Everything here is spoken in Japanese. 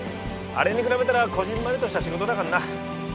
あれに比べたらこじんまりとした仕事だかんな。